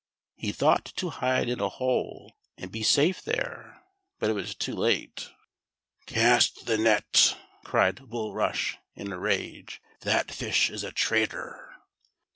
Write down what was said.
He thought to hide in a hole, and be sat;: there ; but it was too late, "Cast the net," cried Bulrush, in a rage, ' that fish is a traitor